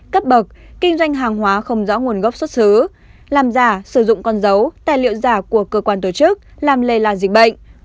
cấp bậc kinh doanh hàng hóa không rõ nguồn gốc xuất xứ làm giả sử dụng con dấu tài liệu giả của cơ quan tổ chức làm lây lan dịch bệnh